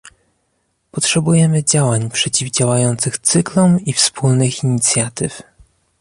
Potrzebujemy działań przeciwdziałających cyklom i wspólnych inicjatyw